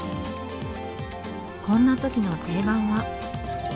こんな時の定番は。